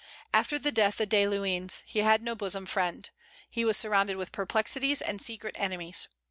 After the death of De Luynes he had no bosom friend. He was surrounded with perplexities and secret enemies.